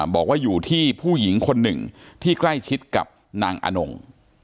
บอกว่าอยู่ที่ผู้หญิงคนหนึ่งที่ใกล้ชิดกับนางอนง